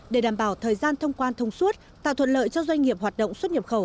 để đảm bảo thời gian thông quan thông suốt tạo thuận lợi cho doanh nghiệp hoạt động xuất nhập khẩu